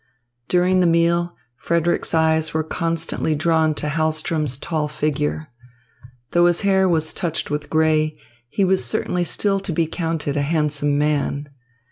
During the meal Frederick's eyes were constantly drawn to Hahlström's tall figure. Though his hair was touched with grey, he was certainly still to be counted a handsome man.